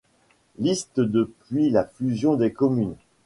Liste depuis la fusion des communes.